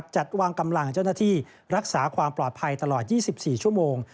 จัดวางกำลังเจ้าหน้าที่รักษาความปลอดภัยตลอด๒๔ชั่วโมง